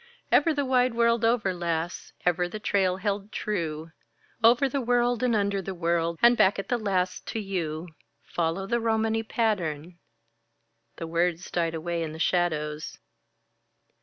Ever the wide world over, lass, Ever the trail held true Over the world and under the world And back at the last to you. Follow the Romany patteran " The words died away in the shadows.